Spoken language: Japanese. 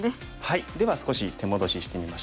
では少し手戻ししてみましょうかね。